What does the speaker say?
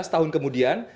tujuh belas tahun kemudian